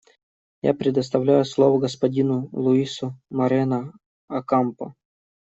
Я предоставляю слово господину Луису Морено-Окампо.